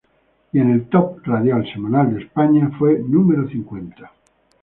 Y en el top radial semanal de España fue número cincuenta.